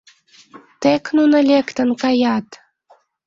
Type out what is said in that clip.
Тек нуно лектын каят!